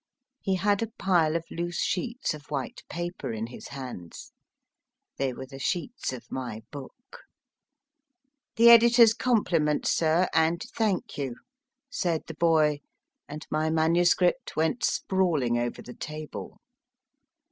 He had a pile of loose sheets of white paper in his hands. They were the sheets of my book. The editor s compli ments, sir, and thank you, said the boy, and my manuscript went sprawling over the table.